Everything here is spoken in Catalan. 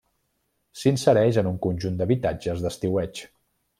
S'insereix en un conjunt d'habitatges d'estiueig.